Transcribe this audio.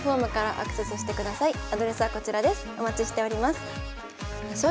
アドレスはこちらです。